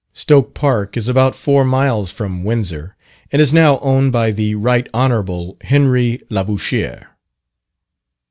Stoke Park is about four miles from Windsor, and is now owned by the Right Hon. Henry Labouchere.